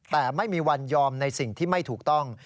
แต่ไม่มีวันยอมในสิ่งที่ไม่ถูกต้อง